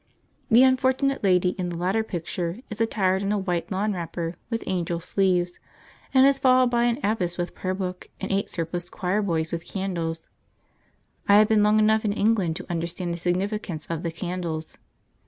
The unfortunate lady in the latter picture is attired in a white lawn wrapper with angel sleeves, and is followed by an abbess with prayer book, and eight surpliced choir boys with candles. I have been long enough in England to understand the significance of the candles.